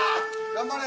頑張れ。